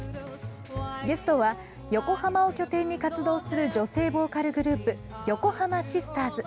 ゲストは横浜を拠点に活動する女性ボーカルグループ横濱シスターズ。